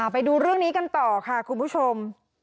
ไปดูเรื่องนี้กันต่อค่ะคุณผู้ชม